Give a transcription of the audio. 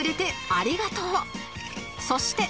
そして